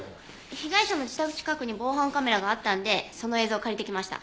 被害者の自宅近くに防犯カメラがあったんでその映像借りてきました。